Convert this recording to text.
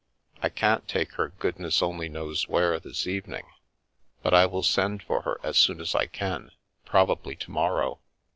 " I can't take her goodness only knows where this evening, but I will send for her as soon as I can, probably to morrow.